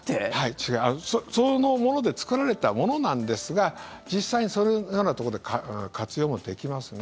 違うそのもので作られたものなんですが実際にそのようなところで活用もできますね。